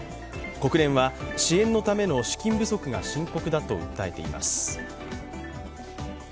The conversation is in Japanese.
国連は支援のための資金不足が深刻だと訴えています。